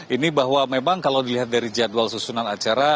ini bahwa memang kalau dilihat dari jadwal susunan acara